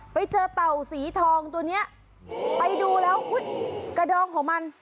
ไปเจอเต่าสีทองตัวเนี้ยไปดูแล้วกระดองของมัน